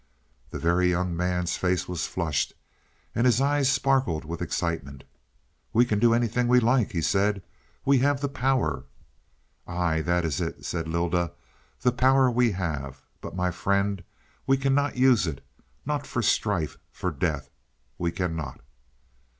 The Very Young Man's face was flushed, and his eyes sparkled with excitement. "We can do anything we like," he said. "We have the power." "Ay, that is it," said Lylda. "The power we have. But my friend, we cannot use it. Not for strife, for death; we cannot."